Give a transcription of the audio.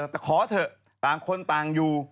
แต่ขอเถอะต่างคนต่างอยู่